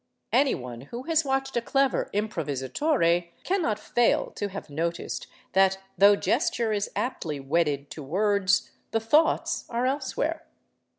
Anyone who has watched a clever improvisatore cannot fail to have noticed that, though gesture is aptly wedded to words, the thoughts are elsewhere.